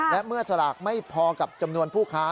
และเมื่อสลากไม่พอกับจำนวนผู้ค้า